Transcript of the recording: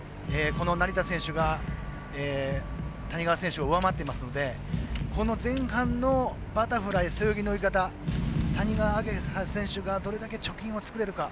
成田選手が谷川選手を上回っていますのでこの前半のバタフライ背泳ぎの泳ぎ方谷川亜華葉選手がどれだけ貯金を作れるか。